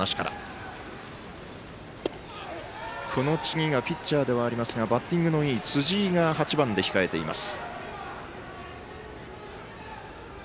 この次がピッチャーではありますがバッティングのいい辻井が８番で控えています。